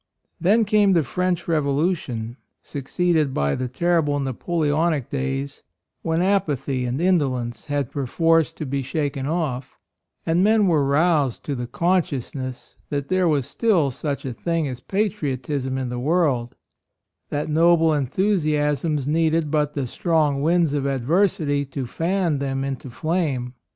Then came the French Revo lution, succeeded by the terrible Napoleonic days, when apathy and indolence had perforce to be shaken off, and men were roused to the consciousness that there was still such a thing as patriotism in the world; that noble enthusiasms needed but the strong winds of adversity to fan them into flame.